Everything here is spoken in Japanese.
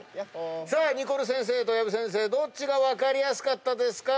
ニコル先生と薮先生どっちが分かりやすかったですか？